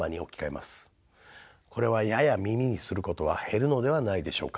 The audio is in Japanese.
これはやや耳にすることは減るのではないでしょうか。